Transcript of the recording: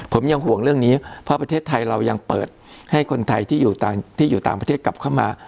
ผมยังห่วงเรื่องนี้เพราะประเทศไทยเรายังเปิดให้คนไทยที่อยู่ที่อยู่ต่างประเทศกลับเข้ามา